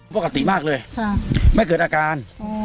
ปกติมากเลยไม่เกิดอาการ